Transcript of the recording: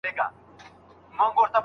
املا د غږ او لیک ترمنځ واټن کموي.